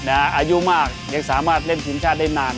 อายุมากยังสามารถเล่นทีมชาติได้นาน